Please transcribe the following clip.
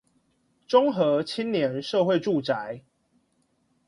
中和青年社會住宅